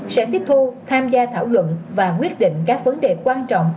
sẽ tiếp thu tham gia thảo luận và quyết định các vấn đề quan trọng